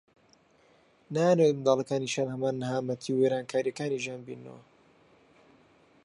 نایانەوێت منداڵەکانیشیان هەمان نەهامەتی و وێرانەییەکانی ژیان ببیننەوە